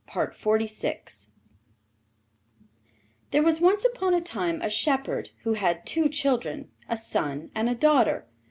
THE THREE DOGS There was once upon a time a shepherd who had two children, a son and a daughter.